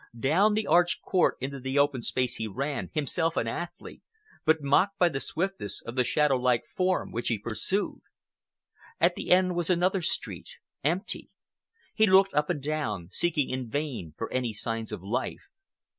Down the arched court into the open space he ran, himself an athlete, but mocked by the swiftness of the shadowlike form which he pursued. At the end was another street—empty. He looked up and down, seeking in vain for any signs of life.